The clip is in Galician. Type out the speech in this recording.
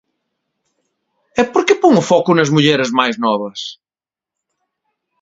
¿E por que pon o foco nas mulleres máis novas?